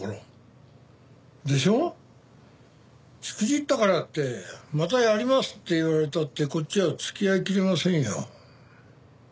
しくじったからってまたやりますって言われたってこっちは付き合いきれませんよ。